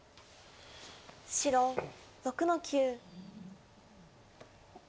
白６の九。